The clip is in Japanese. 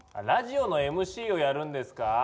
ラジオのＭＣをやるんですか？